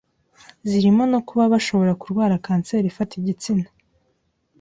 zirimo no kuba bashobora kurwara kanseri ifata igitsina